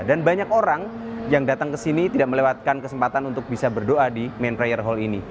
dan banyak orang yang datang ke sini tidak melewatkan kesempatan untuk bisa berdoa di main prayer hall ini